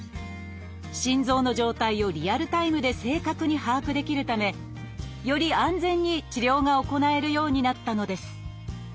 心臓の状態をリアルタイムで正確に把握できるためより安全に治療が行えるようになったのです。